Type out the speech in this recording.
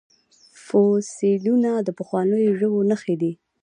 فوسیلیونه د پخوانیو ژویو نښې دي